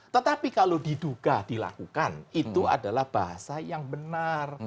tetapi kalau diduga dilakukan itu adalah bahasa yang benar